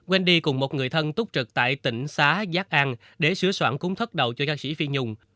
wendy cùng một người thân túc trực tại tỉnh xá giác an để sửa soạn cúng thất đầu cho ca sĩ phi nhung